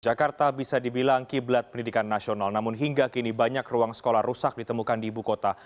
jakarta bisa dibilang kiblat pendidikan nasional namun hingga kini banyak ruang sekolah rusak ditemukan di ibu kota